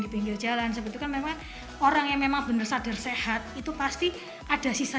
di pinggir jalan sebetulnya memang orang yang memang benar sadar sehat itu pasti ada sisa